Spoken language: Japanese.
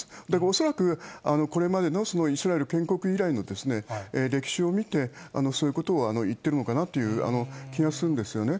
恐らく、これまでのイスラエル建国以来の歴史を見て、そういうことを言ってるのかなという気がするんですよね。